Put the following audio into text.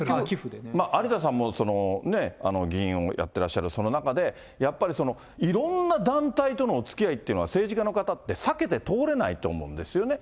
有田さんも議員をやってらっしゃるその中で、やっぱりいろんな団体とのおつきあいっていうのは、政治家の方って避けて通れないと思うんですよね。